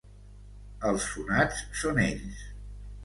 Els sonats són ells.